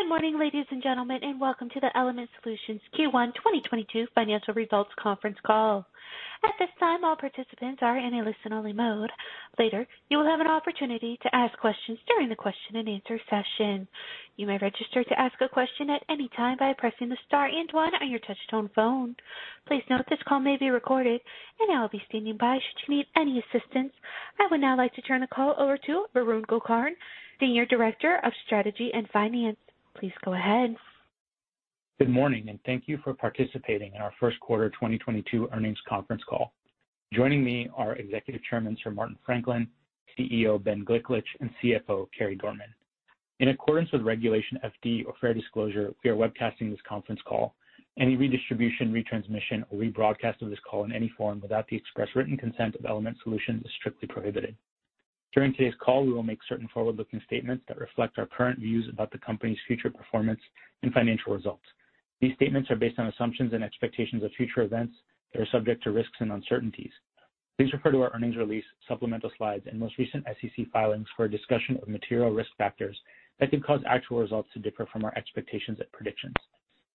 Good morning, ladies and gentlemen, and welcome to the Element Solutions Q1 2022 Financial Results Conference Call. At this time, all participants are in a listen-only mode. Later, you will have an opportunity to ask questions during the question and answer session. You may register to ask a question at any time by pressing the star and one on your touchtone phone. Please note this call may be recorded, and I'll be standing by should you need any assistance. I would now like to turn the call over to Varun Gokarn, Senior Director of Strategy and Finance. Please go ahead. Good morning, and thank you for participating in our first quarter 2022 earnings conference call. Joining me are Executive Chairman Sir Martin Franklin, CEO Ben Gliklich, and CFO Carey Dorman. In accordance with Regulation FD, or fair disclosure, we are webcasting this conference call. Any redistribution, retransmission, or rebroadcast of this call in any form without the express written consent of Element Solutions is strictly prohibited. During today's call, we will make certain forward-looking statements that reflect our current views about the company's future performance and financial results. These statements are based on assumptions and expectations of future events that are subject to risks and uncertainties. Please refer to our earnings release, supplemental slides, and most recent SEC filings for a discussion of material risk factors that could cause actual results to differ from our expectations and predictions.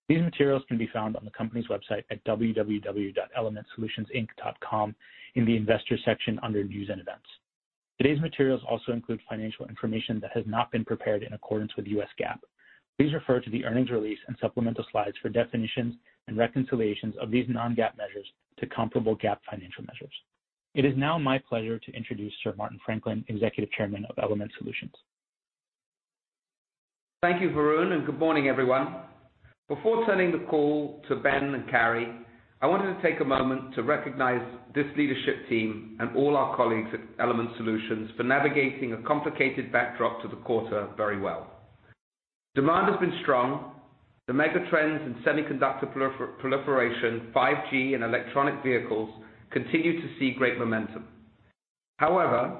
These materials can be found on the company's website at www.elementsolutionsinc.com in the investor section under news and events. Today's materials also include financial information that has not been prepared in accordance with US GAAP. Please refer to the earnings release and supplemental slides for definitions and reconciliations of these non-GAAP measures to comparable GAAP financial measures. It is now my pleasure to introduce Sir Martin Franklin, Executive Chairman of Element Solutions Inc. Thank you, Varun, and good morning, everyone. Before turning the call to Ben and Carey, I wanted to take a moment to recognize this leadership team and all our colleagues at Element Solutions for navigating a complicated backdrop to the quarter very well. Demand has been strong. The mega trends in semiconductor proliferation, 5G, and electric vehicles continue to see great momentum. However,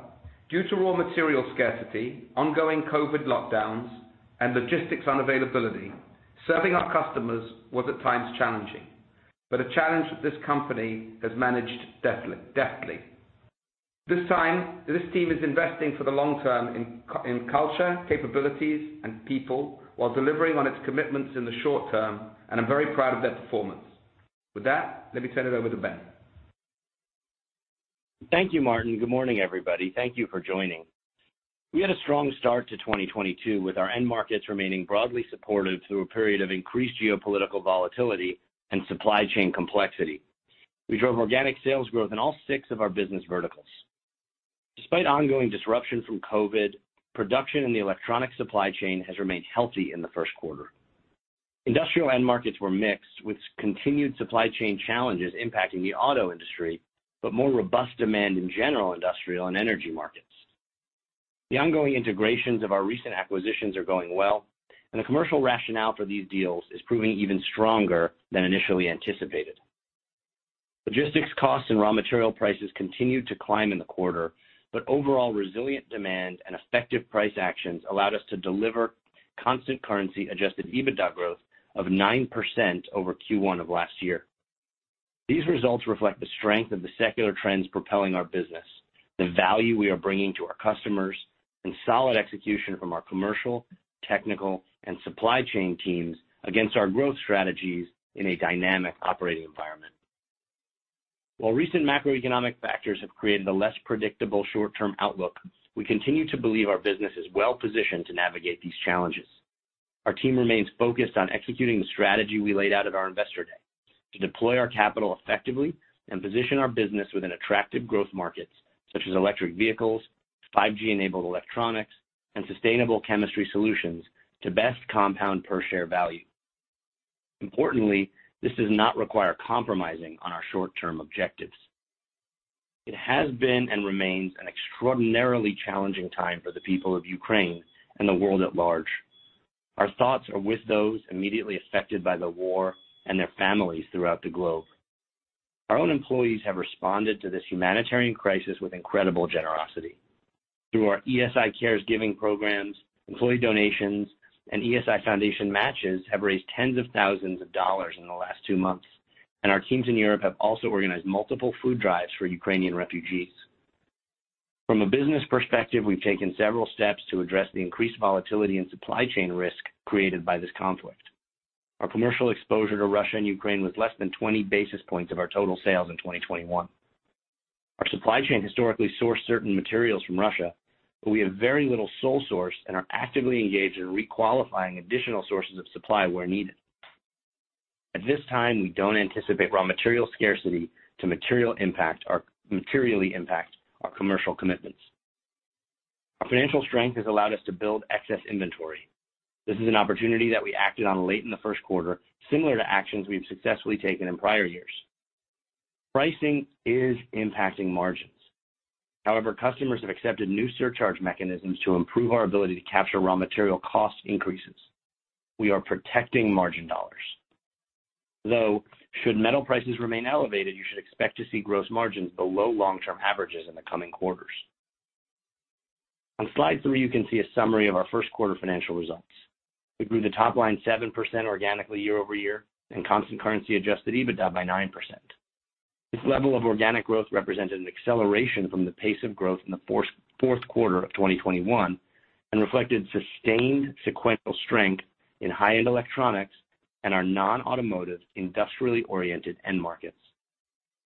due to raw material scarcity, ongoing COVID lockdowns, and logistics unavailability, serving our customers was at times challenging. A challenge that this company has managed deftly. This time, this team is investing for the long term in culture, capabilities, and people while delivering on its commitments in the short term, and I'm very proud of their performance. With that, let me turn it over to Ben. Thank you, Martin. Good morning, everybody. Thank you for joining. We had a strong start to 2022 with our end markets remaining broadly supportive through a period of increased geopolitical volatility and supply chain complexity. We drove organic sales growth in all six of our business verticals. Despite ongoing disruption from COVID, production in the electronic supply chain has remained healthy in the first quarter. Industrial end markets were mixed, with continued supply chain challenges impacting the auto industry, but more robust demand in general industrial and energy markets. The ongoing integrations of our recent acquisitions are going well, and the commercial rationale for these deals is proving even stronger than initially anticipated. Logistics costs and raw material prices continued to climb in the quarter, but overall resilient demand and effective price actions allowed us to deliver constant currency adjusted EBITDA growth of 9% over Q1 of last year. These results reflect the strength of the secular trends propelling our business, the value we are bringing to our customers, and solid execution from our commercial, technical, and supply chain teams against our growth strategies in a dynamic operating environment. While recent macroeconomic factors have created a less predictable short-term outlook, we continue to believe our business is well-positioned to navigate these challenges. Our team remains focused on executing the strategy we laid out at our Investor Day to deploy our capital effectively and position our business within attractive growth markets such as electric vehicles, 5G-enabled electronics, and sustainable chemistry solutions to best compound per share value. Importantly, this does not require compromising on our short-term objectives. It has been and remains an extraordinarily challenging time for the people of Ukraine and the world at large. Our thoughts are with those immediately affected by the war and their families throughout the globe. Our own employees have responded to this humanitarian crisis with incredible generosity. Through our ESI Cares giving programs, employee donations, and ESI Foundation matches have raised $ tens of thousands in the last 2 months, and our teams in Europe have also organized multiple food drives for Ukrainian refugees. From a business perspective, we've taken several steps to address the increased volatility and supply chain risk created by this conflict. Our commercial exposure to Russia and Ukraine was less than 20 basis points of our total sales in 2021. Our supply chain historically sourced certain materials from Russia, but we have very little sole source and are actively engaged in re-qualifying additional sources of supply where needed. At this time, we don't anticipate raw material scarcity to materially impact our commercial commitments. Our financial strength has allowed us to build excess inventory. This is an opportunity that we acted on late in the first quarter, similar to actions we've successfully taken in prior years. Pricing is impacting margins. However, customers have accepted new surcharge mechanisms to improve our ability to capture raw material cost increases. We are protecting margin dollars. Though, should metal prices remain elevated, you should expect to see gross margins below long-term averages in the coming quarters. On slide three, you can see a summary of our first quarter financial results. We grew the top line 7% organically year-over-year and constant currency adjusted EBITDA by 9%. This level of organic growth represented an acceleration from the pace of growth in the fourth quarter of 2021, and reflected sustained sequential strength in high-end electronics and our non-automotive, industrially oriented end markets.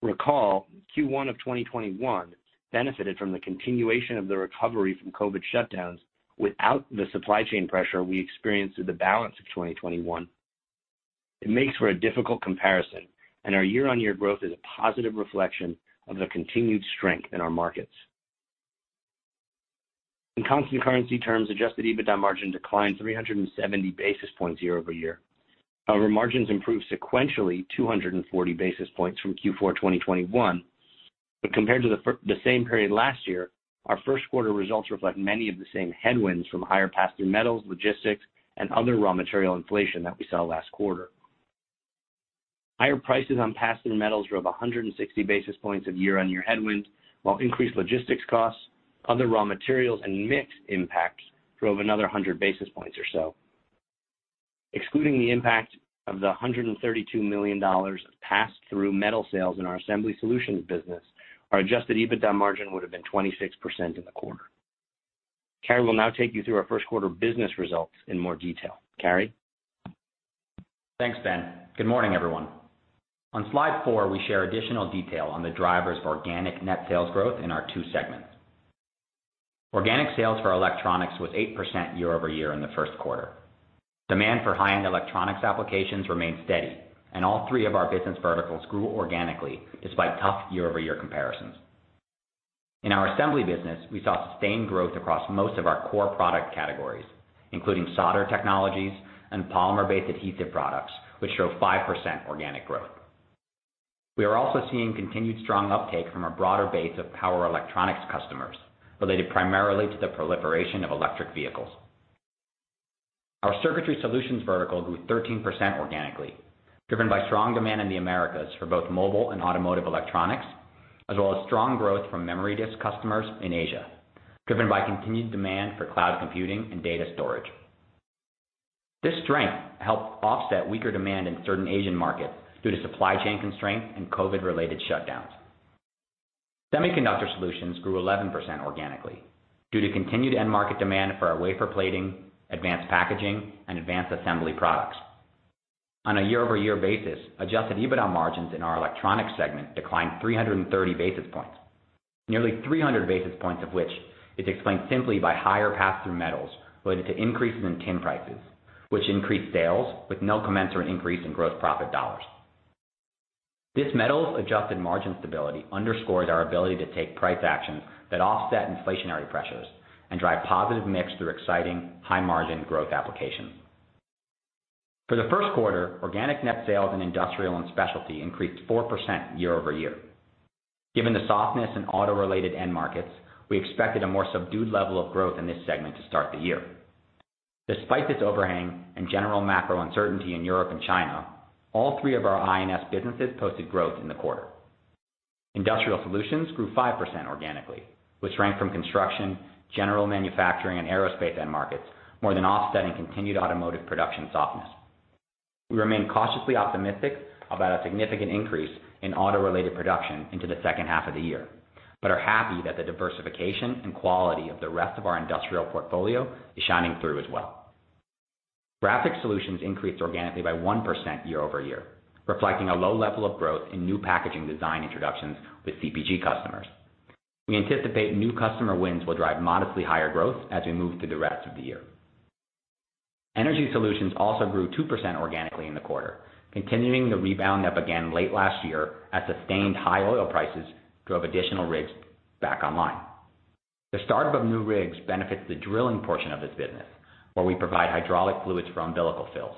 Recall Q1 of 2021 benefited from the continuation of the recovery from COVID shutdowns without the supply chain pressure we experienced through the balance of 2021. It makes for a difficult comparison, and our year-on-year growth is a positive reflection of the continued strength in our markets. In constant currency terms, adjusted EBITDA margin declined 370 basis points year-over-year. However, margins improved sequentially 240 basis points from Q4 2021. Compared to the same period last year, our first quarter results reflect many of the same headwinds from higher pass-through metals, logistics, and other raw material inflation that we saw last quarter. Higher prices on pass-through metals drove 160 basis points of year-on-year headwind, while increased logistics costs, other raw materials and mix impacts drove another 100 basis points or so. Excluding the impact of the $132 million of pass-through metal sales in our Assembly Solutions business, our adjusted EBITDA margin would have been 26% in the quarter. Carey will now take you through our first quarter business results in more detail. Carey. Thanks, Ben. Good morning, everyone. On slide four, we share additional detail on the drivers of organic net sales growth in our two segments. Organic sales for our electronics was 8% year-over-year in the first quarter. Demand for high-end electronics applications remained steady, and all three of our business verticals grew organically despite tough year-over-year comparisons. In our assembly business, we saw sustained growth across most of our core product categories, including solder technologies and polymer-based adhesive products, which show 5% organic growth. We are also seeing continued strong uptake from a broader base of power electronics customers related primarily to the proliferation of electric vehicles. Our Circuitry Solutions vertical grew 13% organically, driven by strong demand in the Americas for both mobile and automotive electronics, as well as strong growth from memory disk customers in Asia, driven by continued demand for cloud computing and data storage. This strength helped offset weaker demand in certain Asian markets due to supply chain constraints and COVID-related shutdowns. Semiconductor Solutions grew 11% organically due to continued end market demand for our wafer plating, advanced packaging, and advanced assembly products. On a year-over-year basis, adjusted EBITDA margins in our electronics segment declined 330 basis points, nearly 300 basis points of which is explained simply by higher pass-through metals related to increases in tin prices, which increased sales with no commensurate increase in gross profit dollars. This metals-adjusted margin stability underscores our ability to take price actions that offset inflationary pressures and drive positive mix through exciting high-margin growth applications. For the first quarter, organic net sales in Industrial & Specialty increased 4% year-over-year. Given the softness in auto-related end markets, we expected a more subdued level of growth in this segment to start the year. Despite this overhang and general macro uncertainty in Europe and China, all three of our I&S businesses posted growth in the quarter. Industrial Solutions grew 5% organically, which ranged from construction, general manufacturing, and aerospace end markets, more than offsetting continued automotive production softness. We remain cautiously optimistic about a significant increase in auto-related production into the second half of the year, but are happy that the diversification and quality of the rest of our industrial portfolio is shining through as well. Graphics Solutions increased organically by 1% year-over-year, reflecting a low level of growth in new packaging design introductions with CPG customers. We anticipate new customer wins will drive modestly higher growth as we move through the rest of the year. Energy Solutions also grew 2% organically in the quarter, continuing the rebound that began late last year as sustained high oil prices drove additional rigs back online. The start of new rigs benefits the drilling portion of this business, where we provide hydraulic fluids for umbilical fills.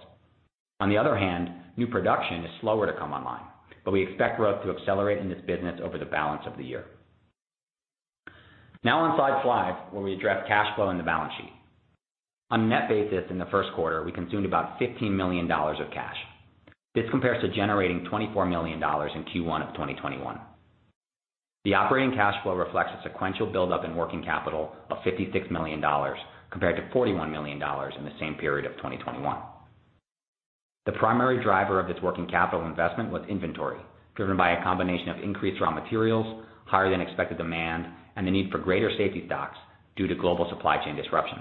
On the other hand, new production is slower to come online, but we expect growth to accelerate in this business over the balance of the year. Now on slide five, where we address cash flow in the balance sheet. On net basis in the first quarter, we consumed about $15 million of cash. This compares to generating $24 million in Q1 of 2021. The operating cash flow reflects a sequential buildup in working capital of $56 million compared to $41 million in the same period of 2021. The primary driver of this working capital investment was inventory, driven by a combination of increased raw materials, higher than expected demand, and the need for greater safety stocks due to global supply chain disruption.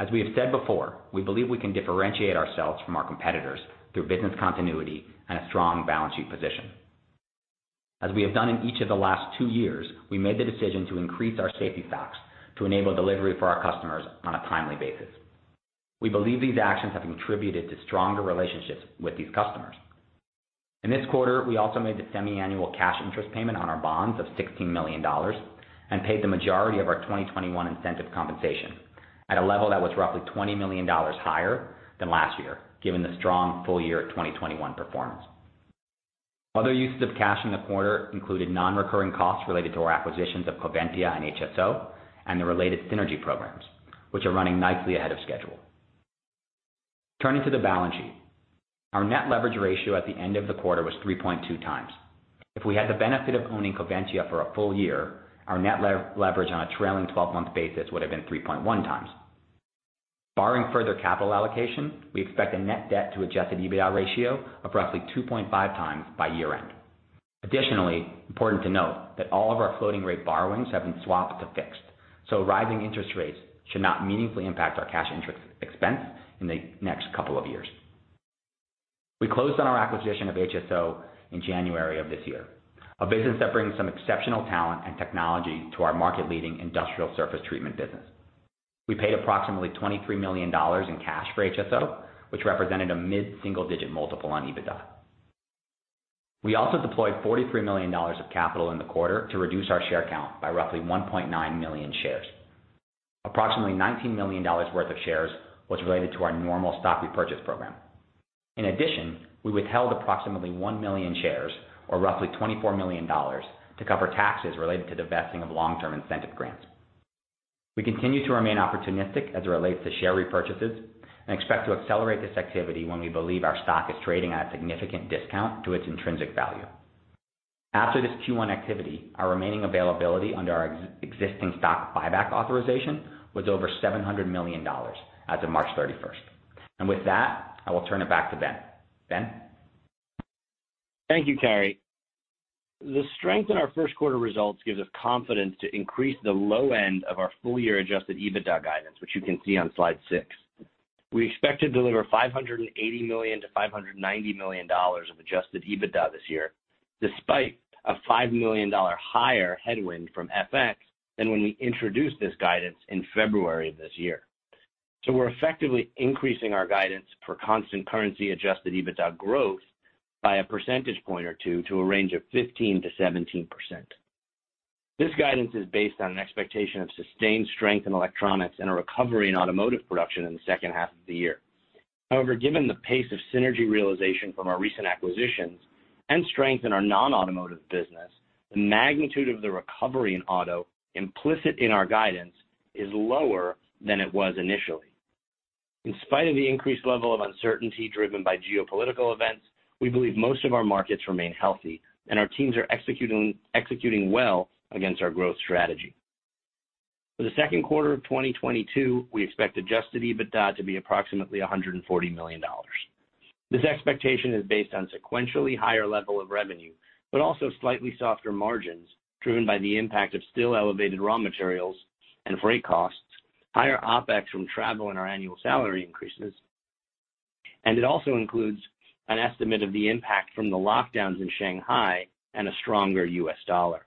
As we have said before, we believe we can differentiate ourselves from our competitors through business continuity and a strong balance sheet position. As we have done in each of the last two years, we made the decision to increase our safety stocks to enable delivery for our customers on a timely basis. We believe these actions have contributed to stronger relationships with these customers. In this quarter, we also made the semiannual cash interest payment on our bonds of $16 million and paid the majority of our 2021 incentive compensation at a level that was roughly $20 million higher than last year, given the strong full year 2021 performance. Other uses of cash in the quarter included non-recurring costs related to our acquisitions of Coventya and HSO and the related synergy programs, which are running nicely ahead of schedule. Turning to the balance sheet. Our net leverage ratio at the end of the quarter was 3.2 times. If we had the benefit of owning Coventya for a full year, our net leverage on a trailing twelve-month basis would have been 3.1 times. Barring further capital allocation, we expect a net debt to adjusted EBITDA ratio of roughly 2.5 times by year-end. Additionally, important to note that all of our floating rate borrowings have been swapped to fixed, so rising interest rates should not meaningfully impact our cash interest expense in the next couple of years. We closed on our acquisition of HSO in January of this year, a business that brings some exceptional talent and technology to our market-leading industrial surface treatment business. We paid approximately $23 million in cash for HSO, which represented a mid-single-digit multiple on EBITDA. We also deployed $43 million of capital in the quarter to reduce our share count by roughly 1.9 million shares. Approximately $19 million worth of shares was related to our normal stock repurchase program. In addition, we withheld approximately 1 million shares or roughly $24 million to cover taxes related to the vesting of long-term incentive grants. We continue to remain opportunistic as it relates to share repurchases and expect to accelerate this activity when we believe our stock is trading at a significant discount to its intrinsic value. After this Q1 activity, our remaining availability under our existing stock buyback authorization was over $700 million as of March 31st. With that, I will turn it back to Ben. Ben? Thank you, Carey. The strength in our first quarter results gives us confidence to increase the low end of our full year adjusted EBITDA guidance, which you can see on slide six. We expect to deliver $580 million-$590 million of adjusted EBITDA this year, despite a $5 million higher headwind from FX than when we introduced this guidance in February of this year. We're effectively increasing our guidance for constant currency adjusted EBITDA growth by a percentage point or two to a range of 15%-17%. This guidance is based on an expectation of sustained strength in electronics and a recovery in automotive production in the second half of the year. However, given the pace of synergy realization from our recent acquisitions and strength in our non-automotive business, the magnitude of the recovery in auto implicit in our guidance is lower than it was initially. In spite of the increased level of uncertainty driven by geopolitical events, we believe most of our markets remain healthy, and our teams are executing well against our growth strategy. For the second quarter of 2022, we expect adjusted EBITDA to be approximately $140 million. This expectation is based on sequentially higher level of revenue, but also slightly softer margins driven by the impact of still elevated raw materials and freight costs, higher OpEx from travel and our annual salary increases. It also includes an estimate of the impact from the lockdowns in Shanghai and a stronger US dollar.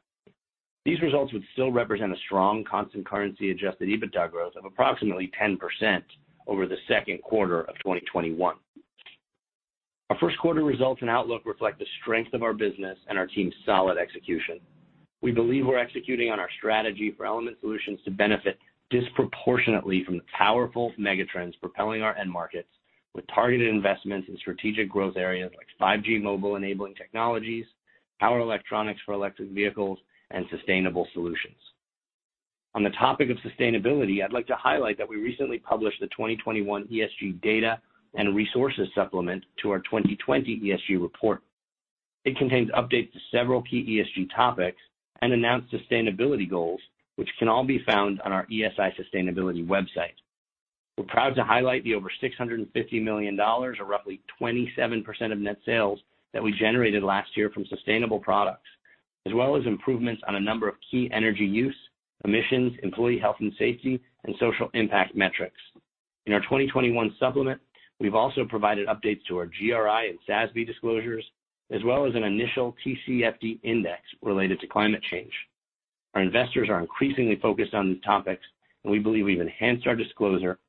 These results would still represent a strong constant currency adjusted EBITDA growth of approximately 10% over the second quarter of 2021. Our first quarter results and outlook reflect the strength of our business and our team's solid execution. We believe we're executing on our strategy for Element Solutions to benefit disproportionately from the powerful megatrends propelling our end markets with targeted investments in strategic growth areas like 5G mobile enabling technologies, power electronics for electric vehicles, and sustainable solutions. On the topic of sustainability, I'd like to highlight that we recently published the 2021 ESG data and resources supplement to our 2020 ESG report. It contains updates to several key ESG topics and announced sustainability goals, which can all be found on our ESI sustainability website. We're proud to highlight the over $650 million, or roughly 27% of net sales that we generated last year from sustainable products, as well as improvements on a number of key energy use, emissions, employee health and safety, and social impact metrics. In our 2021 supplement, we've also provided updates to our GRI and SASB disclosures, as well as an initial TCFD index related to climate change. Our investors are increasingly focused on these topics, and we believe we've enhanced our disclosure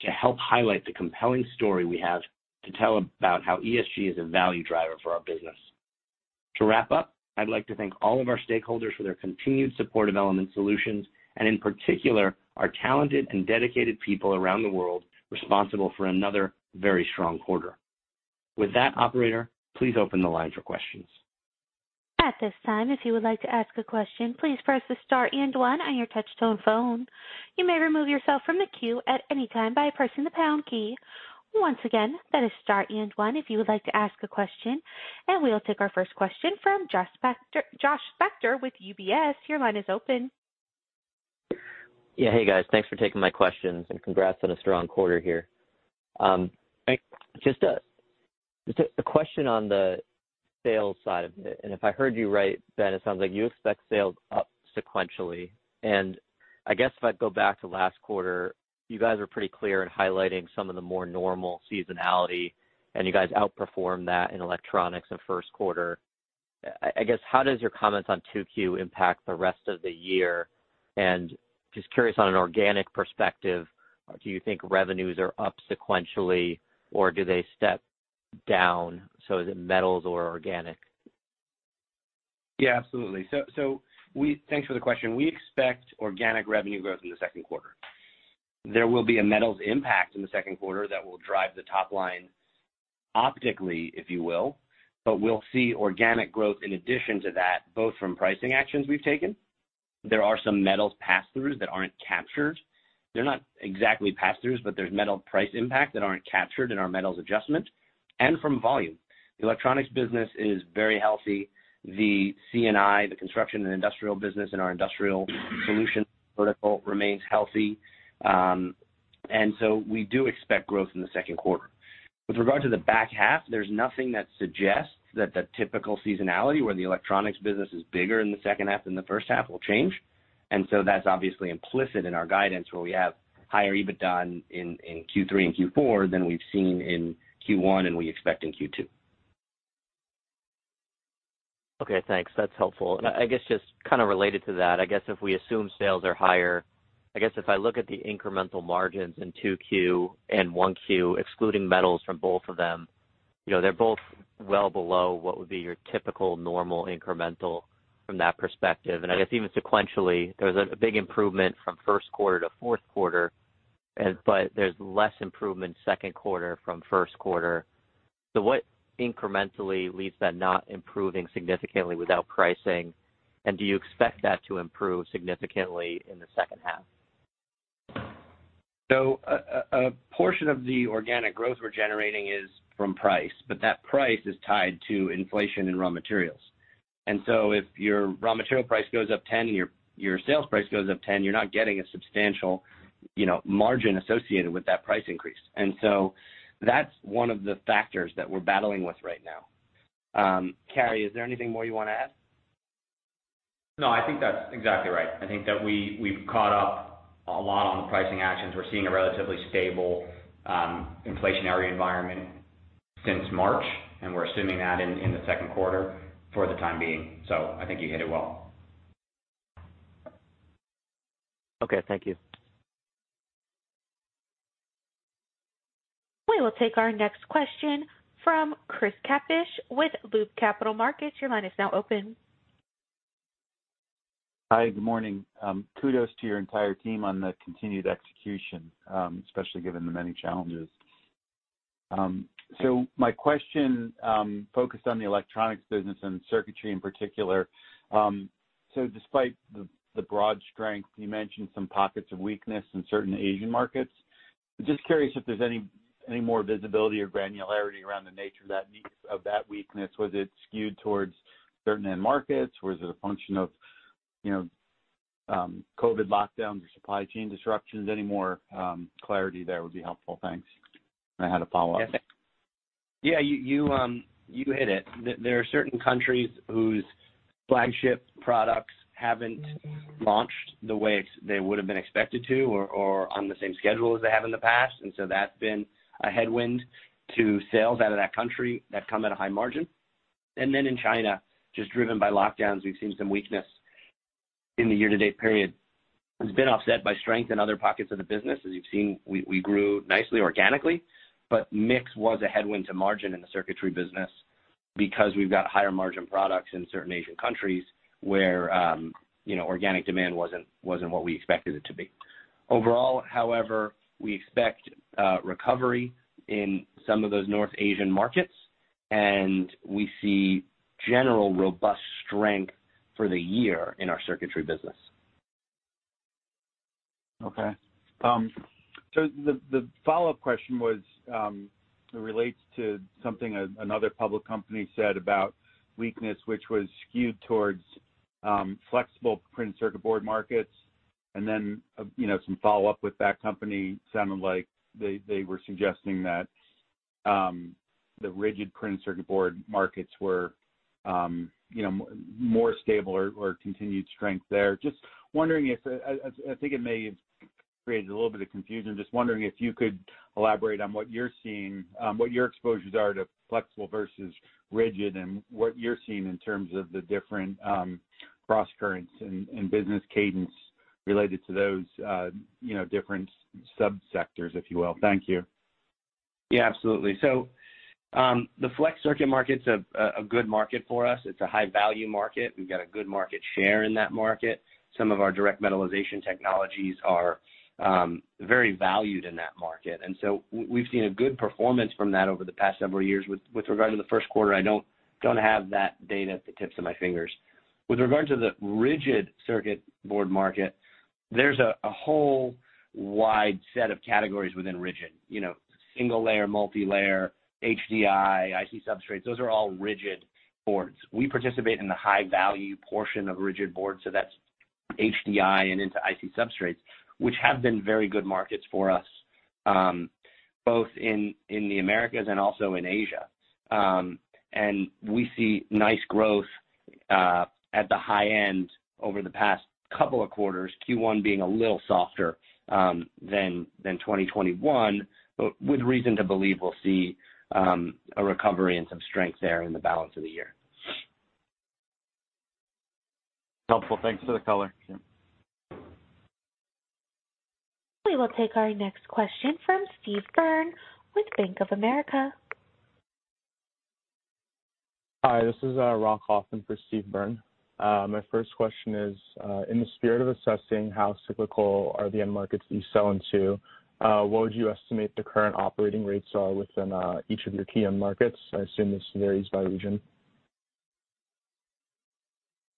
to help highlight the compelling story we have to tell about how ESG is a value driver for our business. To wrap up, I'd like to thank all of our stakeholders for their continued support of Element Solutions, and in particular, our talented and dedicated people around the world responsible for another very strong quarter. With that, operator, please open the line for questions. At this time, if you would like to ask a question, please press the star and one on your touch tone phone. You may remove yourself from the queue at any time by pressing the pound key. Once again, that is star and one if you would like to ask a question, and we will take our first question from Josh Spector, Josh Spector with UBS. Your line is open. Yeah. Hey, guys. Thanks for taking my questions and congrats on a strong quarter here. Just a question on the sales side of it. If I heard you right, Ben, it sounds like you expect sales up sequentially. I guess if I go back to last quarter, you guys were pretty clear in highlighting some of the more normal seasonality, and you guys outperformed that in electronics in first quarter. I guess, how does your comments on 2Q impact the rest of the year? Just curious on an organic perspective, do you think revenues are up sequentially or do they step down so the metals or organic? Yeah, absolutely. Thanks for the question. We expect organic revenue growth in the second quarter. There will be a metals impact in the second quarter that will drive the top line optically, if you will, but we'll see organic growth in addition to that, both from pricing actions we've taken. There are some metals passthroughs that aren't captured. They're not exactly passthroughs, but there's metal price impact that aren't captured in our metals adjustment. From volume. The electronics business is very healthy. The C&I, the construction and industrial business in our industrial solution vertical remains healthy. We do expect growth in the second quarter. With regard to the back half, there's nothing that suggests that the typical seasonality where the electronics business is bigger in the second half than the first half will change. That's obviously implicit in our guidance, where we have higher EBITDA in Q3 and Q4 than we've seen in Q1 and we expect in Q2. Okay, thanks. That's helpful. I guess, just kind of related to that, I guess if we assume sales are higher, I guess if I look at the incremental margins in 2Q and 1Q, excluding metals from both of them, you know, they're both well below what would be your typical normal incremental from that perspective. I guess even sequentially, there was a big improvement from first quarter to fourth quarter, but there's less improvement second quarter from first quarter. What incrementally leaves that not improving significantly without pricing? Do you expect that to improve significantly in the second half? A portion of the organic growth we're generating is from price, but that price is tied to inflation in raw materials. If your raw material price goes up 10% and your sales price goes up 10%, you're not getting a substantial, you know, margin associated with that price increase. That's one of the factors that we're battling with right now. Carey, is there anything more you wanna add? No, I think that's exactly right. I think that we've caught up a lot on the pricing actions. We're seeing a relatively stable, inflationary environment since March, and we're assuming that in the second quarter for the time being. I think you hit it well. Okay, thank you. We will take our next question from Chris Kapsch with Loop Capital Markets. Your line is now open. Hi, good morning. Kudos to your entire team on the continued execution, especially given the many challenges. My question focused on the electronics business and circuitry in particular. Despite the broad strength, you mentioned some pockets of weakness in certain Asian markets. Just curious if there's any more visibility or granularity around the nature of that weakness. Was it skewed towards certain end markets, or is it a function of, you know, COVID lockdowns or supply chain disruptions? Any more clarity there would be helpful. Thanks. I had a follow-up. Yeah. You hit it. There are certain countries whose flagship products haven't launched the way they would've been expected to or on the same schedule as they have in the past. That's been a headwind to sales out of that country that come at a high margin. In China, just driven by lockdowns, we've seen some weakness in the year-to-date period. It's been offset by strength in other pockets of the business. As you've seen, we grew nicely organically, but mix was a headwind to margin in the circuitry business because we've got higher margin products in certain Asian countries where, you know, organic demand wasn't what we expected it to be. Overall, however, we expect recovery in some of those North Asian markets, and we see general robust strength for the year in our circuitry business. Okay. The follow-up question was, it relates to something another public company said about weakness, which was skewed towards flexible printed circuit board markets. And then, you know, some follow-up with that company sounded like they were suggesting that the rigid printed circuit board markets were, you know, more stable or continued strength there. Just wondering if I think it may have created a little bit of confusion. Just wondering if you could elaborate on what you're seeing, what your exposures are to flexible versus rigid, and what you're seeing in terms of the different crosscurrents and business cadence related to those, you know, different subsectors, if you will. Thank you. Yeah, absolutely. The flex circuit market's a good market for us. It's a high-value market. We've got a good market share in that market. Some of our direct metallization technologies are very valued in that market. We've seen a good performance from that over the past several years. With regard to the first quarter, I don't have that data at the tips of my fingers. With regard to the rigid circuit board market, there's a whole wide set of categories within rigid. You know, single layer, multi-layer, HDI, IC substrates, those are all rigid boards. We participate in the high-value portion of rigid boards, so that's HDI and into IC substrates, which have been very good markets for us, both in the Americas and also in Asia. We see nice growth at the high end over the past couple of quarters, Q1 being a little softer than 2021, but with reason to believe we'll see a recovery and some strength there in the balance of the year. Helpful. Thanks for the color. Sure. We will take our next question from Steve Byrne with Bank of America. Hi, this is Rob Hoffman for Steve Byrne. My first question is in the spirit of assessing how cyclical are the end markets that you sell into, what would you estimate the current operating rates are within each of your key end markets? I assume this varies by region.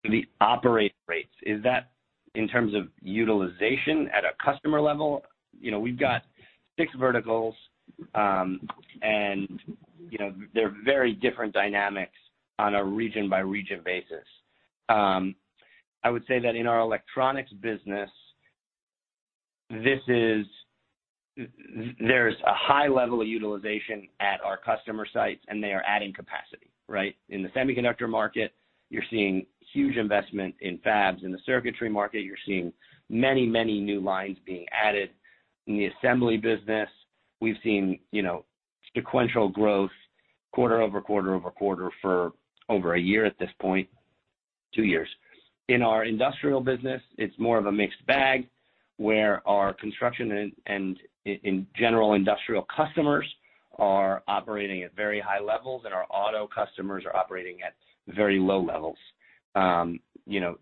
The operating rates, is that in terms of utilization at a customer level? You know, we've got six verticals, and you know, they're very different dynamics on a region-by-region basis. I would say that in our electronics business, there's a high level of utilization at our customer sites, and they are adding capacity, right? In the semiconductor market, you're seeing huge investment in fabs. In the circuitry market, you're seeing many, many new lines being added. In the assembly business, we've seen, you know, sequential growth quarter over quarter over quarter for over a year at this point, two years. In our industrial business, it's more of a mixed bag, where our construction and in general industrial customers are operating at very high levels, and our auto customers are operating at very low levels. You know,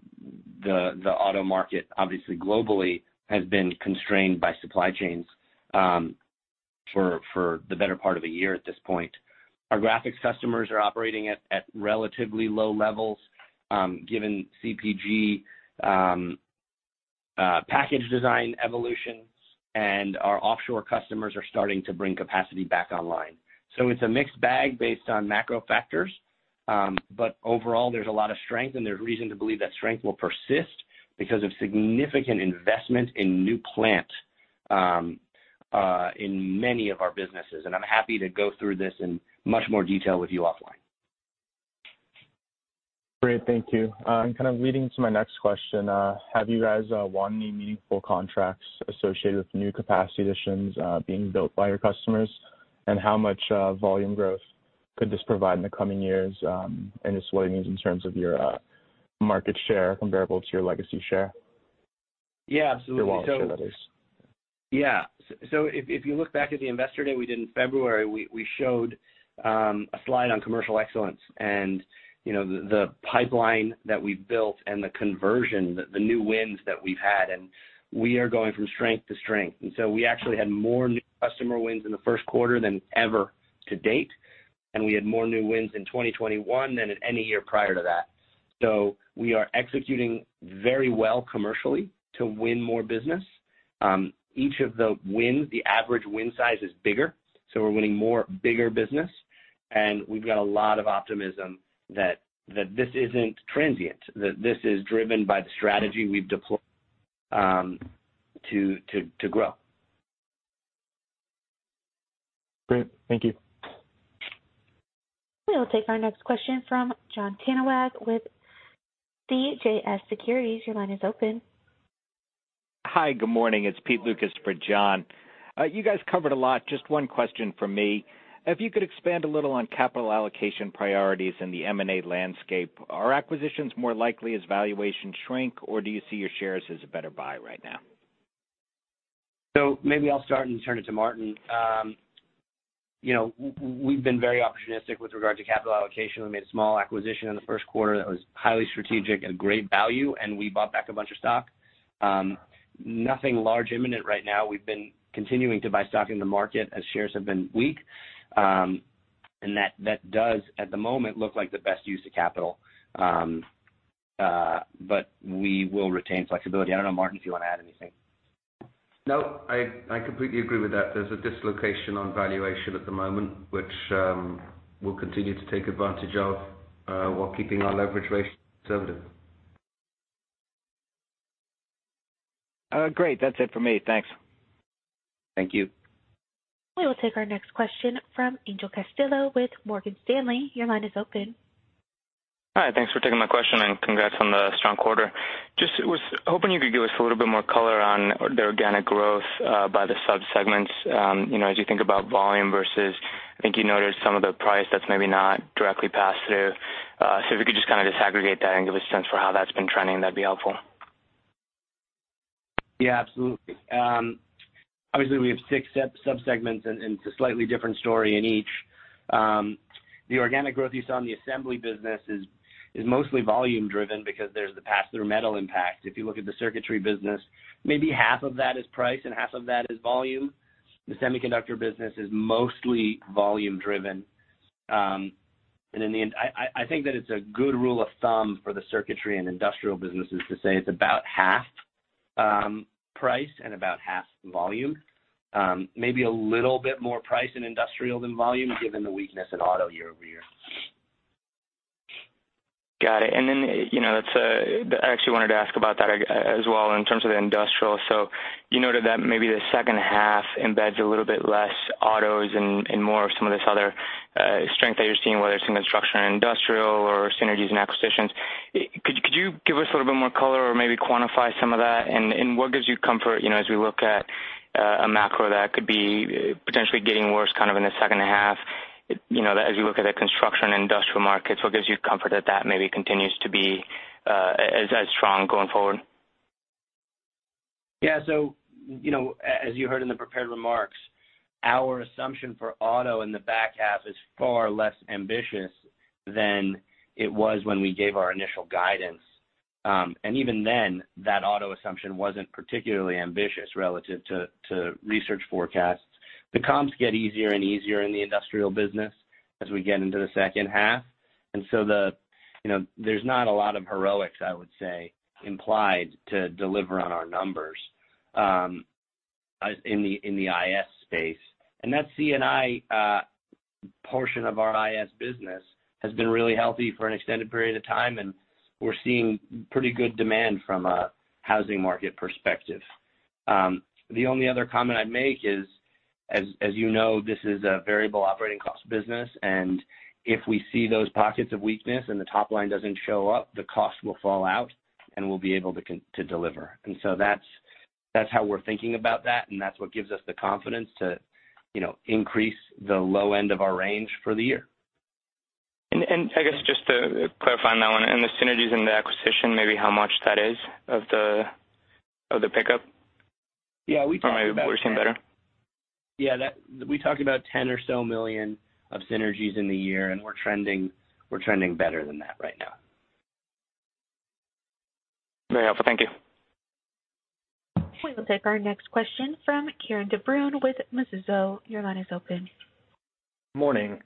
the auto market, obviously globally, has been constrained by supply chains, for the better part of a year at this point. Our graphics customers are operating at relatively low levels, given CPG, package design evolutions, and our offshore customers are starting to bring capacity back online. It's a mixed bag based on macro factors. Overall, there's a lot of strength, and there's reason to believe that strength will persist because of significant investment in new plant, in many of our businesses. I'm happy to go through this in much more detail with you offline. Great. Thank you. Kind of leading to my next question, have you guys won any meaningful contracts associated with new capacity additions being built by your customers? How much volume growth could this provide in the coming years? Just what it means in terms of your market share comparable to your legacy share? Yeah, absolutely. Your Wall Street share letters. Yeah. So if you look back at the Investor Day we did in February, we showed a slide on commercial excellence and, you know, the pipeline that we built and the conversion, the new wins that we've had, and we are going from strength to strength. We actually had more new customer wins in the first quarter than ever to date, and we had more new wins in 2021 than in any year prior to that. We are executing very well commercially to win more business. Each of the wins, the average win size is bigger, so we're winning more bigger business. We've got a lot of optimism that this isn't transient, that this is driven by the strategy we've deployed to grow. Great. Thank you. We will take our next question from Jon Tanwanteng with CJS Securities. Your line is open. Hi, good morning. It's Pete Lucas for Jon Tanwanteng. You guys covered a lot. Just one question from me. If you could expand a little on capital allocation priorities in the M&A landscape. Are acquisitions more likely as valuations shrink, or do you see your shares as a better buy right now? Maybe I'll start and turn it to Martin. You know, we've been very opportunistic with regard to capital allocation. We made a small acquisition in the first quarter that was highly strategic and great value, and we bought back a bunch of stock. Nothing large imminent right now. We've been continuing to buy stock in the market as shares have been weak. That does, at the moment, look like the best use of capital. We will retain flexibility. I don't know, Martin, if you wanna add anything. No, I completely agree with that. There's a dislocation on valuation at the moment, which we'll continue to take advantage of, while keeping our leverage ratio conservative. Great. That's it for me. Thanks. Thank you. We will take our next question from Angel Castillo with Morgan Stanley. Your line is open. Hi. Thanks for taking my question, and congrats on the strong quarter. Just was hoping you could give us a little bit more color on the organic growth by the subsegments. You know, as you think about volume versus, I think you noted some of the price that's maybe not directly passed through. If you could just kinda disaggregate that and give a sense for how that's been trending, that'd be helpful. Yeah, absolutely. Obviously we have six subsegments and it's a slightly different story in each. The organic growth you saw in the assembly business is mostly volume driven because there's the pass-through metal impact. If you look at the circuitry business, maybe half of that is price and half of that is volume. The semiconductor business is mostly volume driven. In the end, I think that it's a good rule of thumb for the circuitry and industrial businesses to say it's about half price and about half volume. Maybe a little bit more price in industrial than volume given the weakness in auto year-over-year. Got it. Then, you know, it's, I actually wanted to ask about that as well in terms of the industrial. You noted that maybe the second half embeds a little bit less autos and more of some of this other strength that you're seeing, whether it's in construction and industrial or synergies and acquisitions. Could you give us a little bit more color or maybe quantify some of that? What gives you comfort, you know, as we look at a macro that could be potentially getting worse kind of in the second half? You know, as we look at the construction and industrial markets, what gives you comfort that that maybe continues to be as strong going forward? Yeah. As you heard in the prepared remarks, our assumption for auto in the back half is far less ambitious than it was when we gave our initial guidance. Even then, that auto assumption wasn't particularly ambitious relative to research forecasts. The comps get easier and easier in the industrial business as we get into the second half. You know, there's not a lot of heroics, I would say, implied to deliver on our numbers as in the I&S space. That C&I portion of our I&S business has been really healthy for an extended period of time, and we're seeing pretty good demand from a housing market perspective. The only other comment I'd make is, as you know, this is a variable operating cost business, and if we see those pockets of weakness and the top line doesn't show up, the cost will fall out, and we'll be able to deliver. That's how we're thinking about that, and that's what gives us the confidence to, you know, increase the low end of our range for the year. I guess just to clarify on that one, and the synergies and the acquisition, maybe how much that is of the pickup? Yeah, we talked about. Maybe we're seeing better? We talked about $10 or so million of synergies in the year, and we're trending better than that right now. Very helpful. Thank you. We will take our next question from Kieran de Brun with Mizuho. Your line is open. Morning.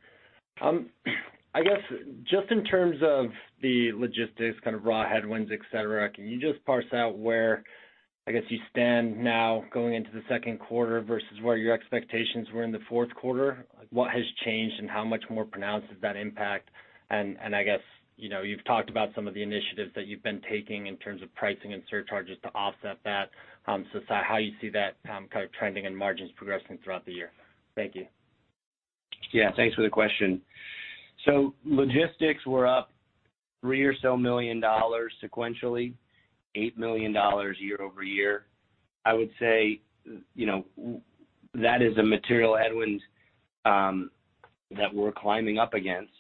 I guess just in terms of the logistics, kind of raw headwinds, et cetera, can you just parse out where, I guess, you stand now going into the second quarter versus where your expectations were in the fourth quarter? What has changed, and how much more pronounced is that impact? I guess, you know, you've talked about some of the initiatives that you've been taking in terms of pricing and surcharges to offset that. How you see that, kind of trending and margins progressing throughout the year. Thank you. Yeah, thanks for the question. Logistics were up $3 million or so sequentially, $8 million year-over-year. I would say, you know, that is a material headwind that we're climbing up against.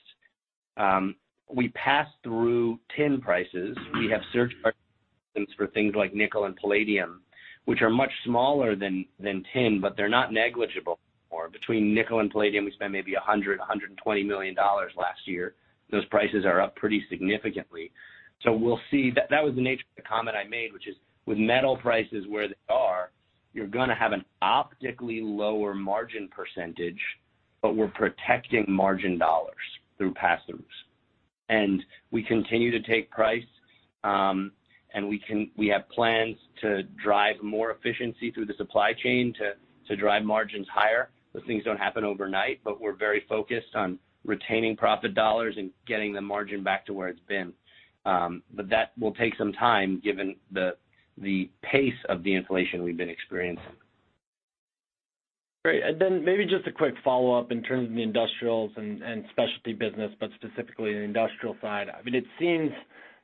We passed through tin prices. We have surcharges for things like nickel and palladium, which are much smaller than tin, but they're not negligible anymore. Between nickel and palladium, we spent maybe $100-$120 million last year. Those prices are up pretty significantly. We'll see. That was the nature of the comment I made, which is with metal prices where they are, you're gonna have an optically lower margin percentage, but we're protecting margin dollars through pass-throughs. We continue to take price, and we have plans to drive more efficiency through the supply chain to drive margins higher. Those things don't happen overnight, but we're very focused on retaining profit dollars and getting the margin back to where it's been. That will take some time given the pace of the inflation we've been experiencing. Great. Maybe just a quick follow-up in terms of the industrials and specialty business, but specifically the industrial side. I mean, it seems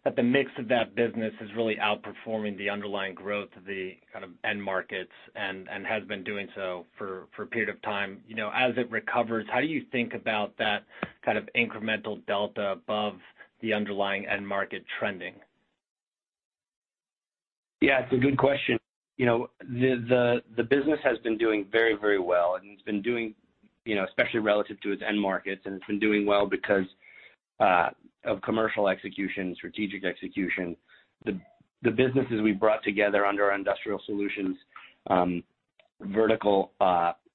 that the mix of that business is really outperforming the underlying growth of the kind of end markets and has been doing so for a period of time. You know, as it recovers, how do you think about that kind of incremental delta above the underlying end market trending? Yeah, it's a good question. You know, the business has been doing very well, and it's been doing, you know, especially relative to its end markets, and it's been doing well because of commercial execution, strategic execution. The businesses we brought together under our Industrial Solutions vertical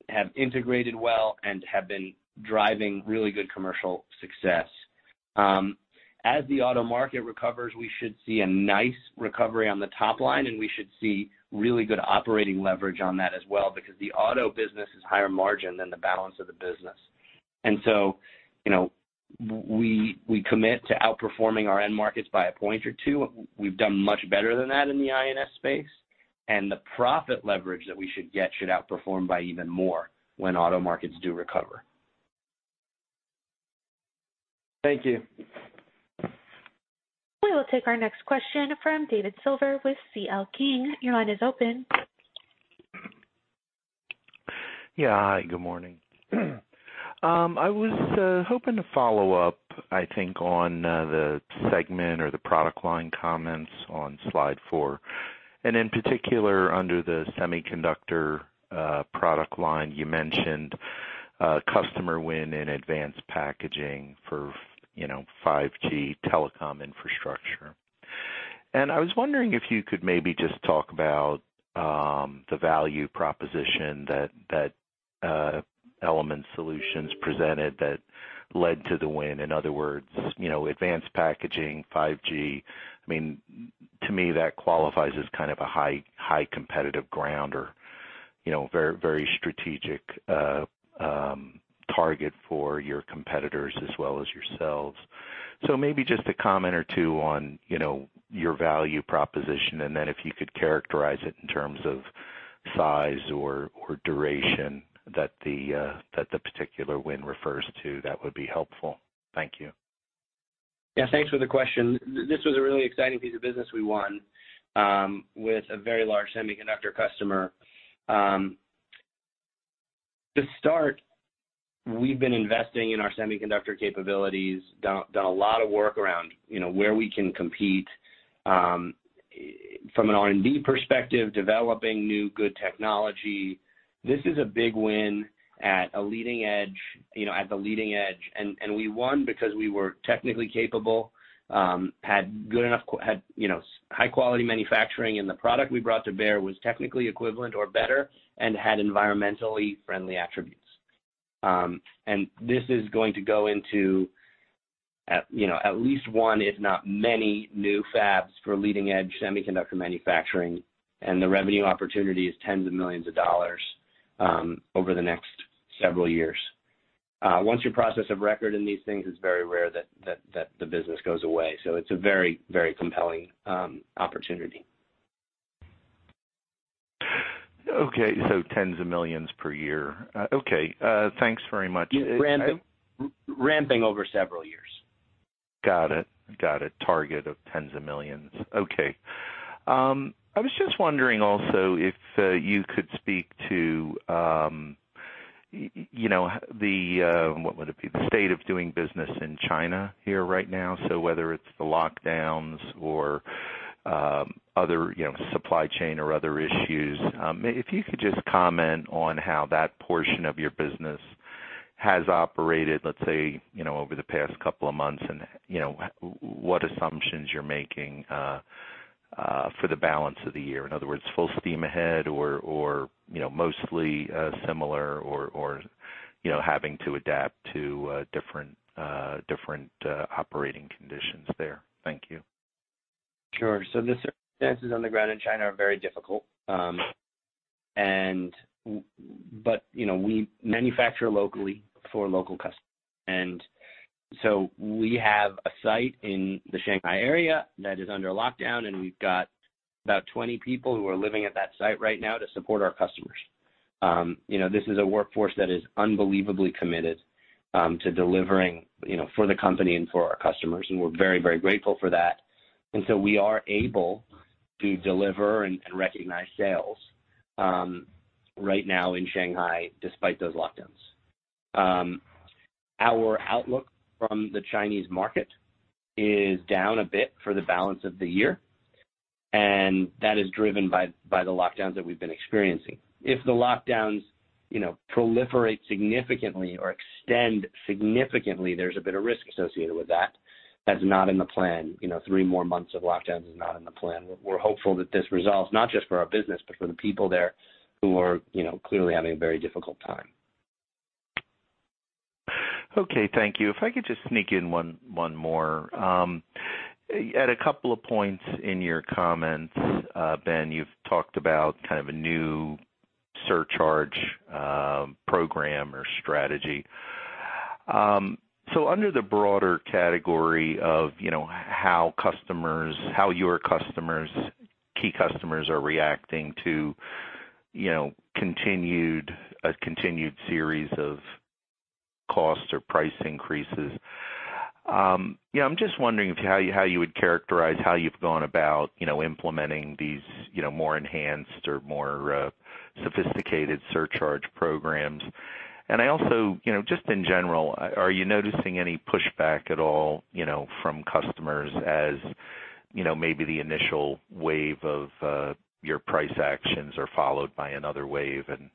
have integrated well and have been driving really good commercial success. As the auto market recovers, we should see a nice recovery on the top line, and we should see really good operating leverage on that as well because the auto business is higher margin than the balance of the business. You know, we commit to outperforming our end markets by a point or two. We've done much better than that in the I&S space. The profit leverage that we should get should outperform by even more when auto markets do recover. Thank you. We will take our next question from David Silver with C.L. King. Your line is open. Yeah. Hi, good morning. I was hoping to follow up, I think, on the segment or the product line comments on slide 4. In particular, under the semiconductor product line, you mentioned customer win in advanced packaging for, you know, 5G telecom infrastructure. I was wondering if you could maybe just talk about the value proposition that Element Solutions presented that led to the win. In other words, you know, advanced packaging, 5G, I mean, to me, that qualifies as kind of a high competitive ground or, you know, very strategic target for your competitors as well as yourselves. maybe just a comment or two on, you know, your value proposition, and then if you could characterize it in terms of size or duration that the particular win refers to, that would be helpful. Thank you. Yeah, thanks for the question. This was a really exciting piece of business we won with a very large semiconductor customer. To start, we've been investing in our semiconductor capabilities, done a lot of work around, you know, where we can compete. From an R&D perspective, developing new good technology, this is a big win at a leading edge, you know, at the leading edge. We won because we were technically capable, had, you know, high quality manufacturing, and the product we brought to bear was technically equivalent or better and had environmentally friendly attributes. This is going to go into, you know, at least one if not many new fabs for leading edge semiconductor manufacturing. The revenue opportunity is $ tens of millions over the next several years. Once you're process of record in these things, it's very rare that the business goes away. It's a very, very compelling opportunity. Okay. $Tens of millions per year. Okay. Thanks very much. Ramping over several years. Got it. Target of tens of millions. Okay. I was just wondering also if you could speak to you know, the what would it be? The state of doing business in China here right now. Whether it's the lockdowns or other, you know, supply chain or other issues. If you could just comment on how that portion of your business has operated, let's say, you know, over the past couple of months and you know what assumptions you're making for the balance of the year. In other words, full steam ahead or you know, mostly similar or you know, having to adapt to different operating conditions there. Thank you. Sure. The circumstances on the ground in China are very difficult. You know, we manufacture locally for local customers. We have a site in the Shanghai area that is under lockdown, and we've got about 20 people who are living at that site right now to support our customers. You know, this is a workforce that is unbelievably committed to delivering, you know, for the company and for our customers, and we're very, very grateful for that. We are able to deliver and recognize sales right now in Shanghai despite those lockdowns. Our outlook from the Chinese market is down a bit for the balance of the year, and that is driven by the lockdowns that we've been experiencing. If the lockdowns, you know, proliferate significantly or extend significantly, there's a bit of risk associated with that. That's not in the plan. You know, three more months of lockdowns is not in the plan. We're hopeful that this resolves not just for our business, but for the people there who are, you know, clearly having a very difficult time. Okay. Thank you. If I could just sneak in one more. At a couple of points in your comments, Ben, you've talked about kind of a new surcharge program or strategy. Under the broader category of, you know, how your customers, key customers are reacting to, you know, a continued series of cost or price increases, you know, I'm just wondering how you, how you would characterize how you've gone about, you know, implementing these, you know, more enhanced or more sophisticated surcharge programs. I also, you know, just in general, are you noticing any pushback at all, you know, from customers as, you know, maybe the initial wave of your price actions are followed by another wave and,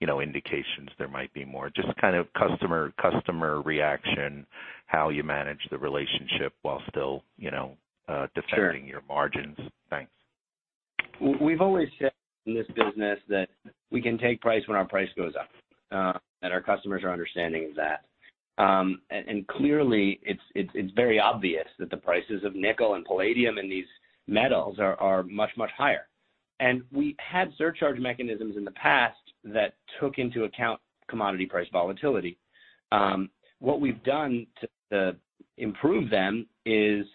you know, indications there might be more? Just kind of customer reaction, how you manage the relationship while still, you know, defending Sure. your margins. Thanks. We've always said in this business that we can take price when our price goes up, and our customers are understanding of that. Clearly it's very obvious that the prices of nickel and palladium and these metals are much higher. We had surcharge mechanisms in the past that took into account commodity price volatility. What we've done to improve them is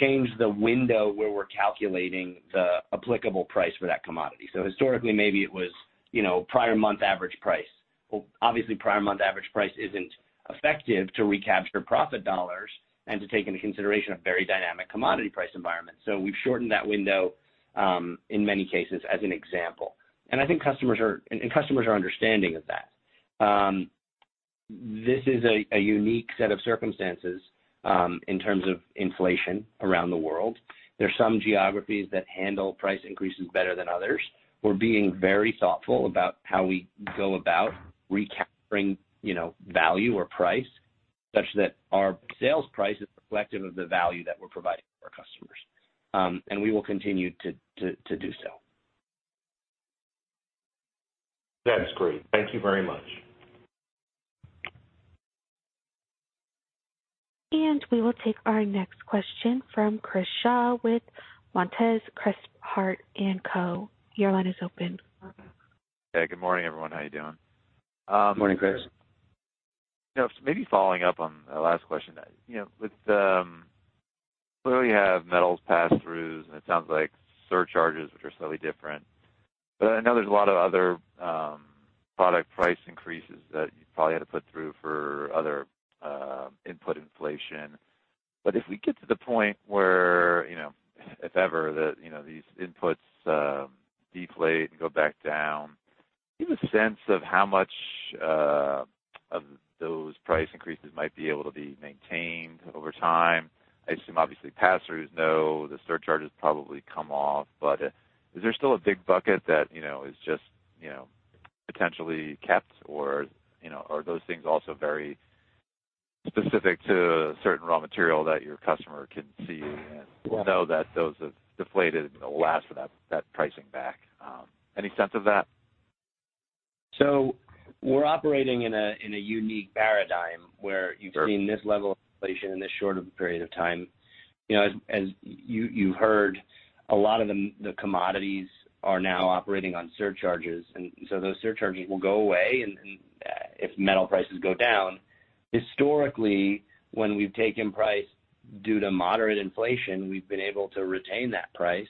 change the window where we're calculating the applicable price for that commodity. Historically, maybe it was, you know, prior month average price. Well, obviously, prior month average price isn't effective to recapture profit dollars and to take into consideration a very dynamic commodity price environment. We've shortened that window, in many cases as an example. I think customers are understanding of that. This is a unique set of circumstances in terms of inflation around the world. There are some geographies that handle price increases better than others. We're being very thoughtful about how we go about recapturing, you know, value or price such that our sales price is reflective of the value that we're providing to our customers. We will continue to do so. That is great. Thank you very much. We will take our next question from Chris Shaw with Monness, Crespi, Hardt & Co. Your line is open. Hey, good morning, everyone. How are you doing? Good morning, Chris. You know, maybe following up on the last question. You know, with clearly you have metals pass-throughs, and it sounds like surcharges, which are slightly different. I know there's a lot of other product price increases that you probably had to put through for other input inflation. If we get to the point where, you know, if ever the, you know, these inputs deflate and go back down, do you have a sense of how much of those price increases might be able to be maintained over time? I assume obviously pass-throughs, no, the surcharges probably come off. Is there still a big bucket that, you know, is just, you know, potentially kept or, you know, are those things also very specific to certain raw material that your customer can see and know that those have deflated and they'll ask for that pricing back? Any sense of that? We're operating in a unique paradigm where you've seen this level of inflation in this short of a period of time. You know, as you heard, a lot of the commodities are now operating on surcharges, and those surcharges will go away, and if metal prices go down. Historically, when we've taken price due to moderate inflation, we've been able to retain that price.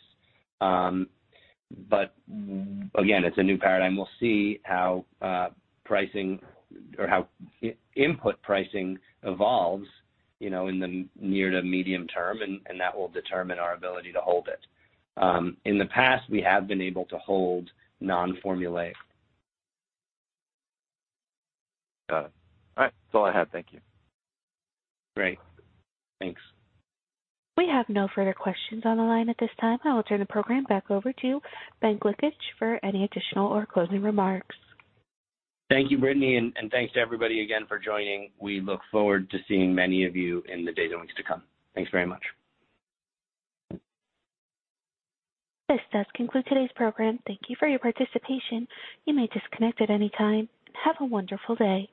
Again, it's a new paradigm. We'll see how pricing or how input pricing evolves, you know, in the near to medium term, and that will determine our ability to hold it. In the past, we have been able to hold non-formulaic. Got it. All right. That's all I have. Thank you. Great. Thanks. We have no further questions on the line at this time. I will turn the program back over to Ben Gliklich for any additional or closing remarks. Thank you, Brittany, and thanks to everybody again for joining. We look forward to seeing many of you in the days and weeks to come. Thanks very much. This does conclude today's program. Thank you for your participation. You may disconnect at any time. Have a wonderful day.